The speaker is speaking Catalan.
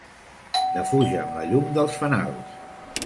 Defugen la llum dels fanals.